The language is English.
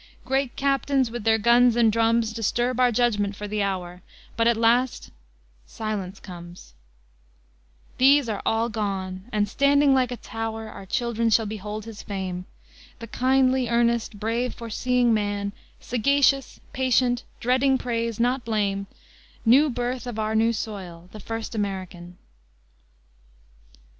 Great captains, with their guns and drums, Disturb our judgment for the hour, But at last silence comes; These are all gone, and, standing like a tower, Our children shall behold his fame, The kindly earnest, brave, foreseeing man, Sagacious, patient, dreading praise, not blame, New birth of our new soil, the first American.